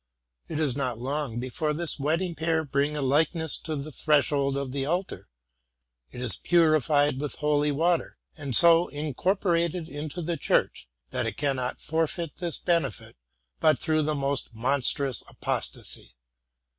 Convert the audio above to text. It is not long before this wedded pair bring a likeness to the threshold of the altar: it is purified with holy water, and so incorporated into the church, that it cannot forfeit this benefit but through the most monstrous apostasy.